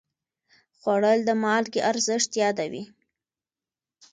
خوړل د مالګې ارزښت یادوي